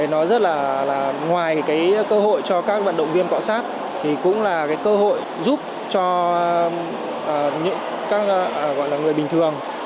nó rất là ngoài cái cơ hội cho các vận động viên bỏ sát thì cũng là cái cơ hội giúp cho những người bình thường